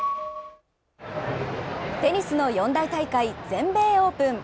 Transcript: テニスの四大大会、全米オープン。